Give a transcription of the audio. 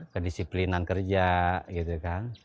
kedisiplinan kerja gitu kan